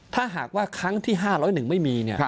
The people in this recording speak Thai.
ถ้าหากว่าครั้งที่๕๐๑ไม่มี